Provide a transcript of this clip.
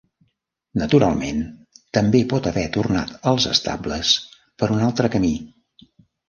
Naturalment, també pot haver tornat als estables per un altre camí.